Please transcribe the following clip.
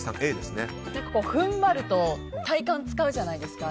結構、踏ん張ると体幹を使うじゃないですか。